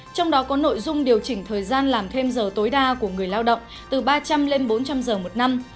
trong đó có nội dung điều chỉnh thời gian làm thêm giờ tối đa của người lao động từ ba trăm linh lên bốn trăm linh giờ một năm